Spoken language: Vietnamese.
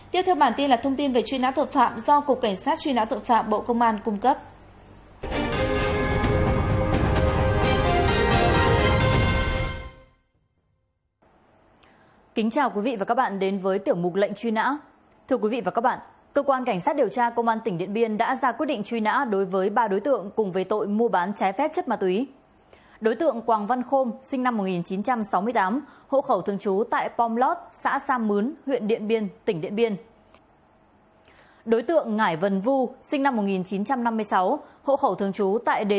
tiếp theo bản tin là thông tin về truy nã tội phạm do cục cảnh sát truy nã tội phạm bộ công an cung cấp